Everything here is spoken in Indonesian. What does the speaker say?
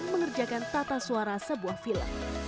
mengerjakan tata suara sebuah film